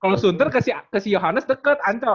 kalau sunter ke si yohanes deket anco kan